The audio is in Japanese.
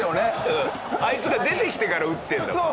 あいつが出てきてから打ってるんだもん。